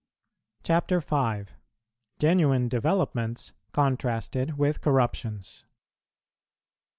CHAPTER V. GENUINE DEVELOPMENTS CONTRASTED WITH CORRUPTIONS.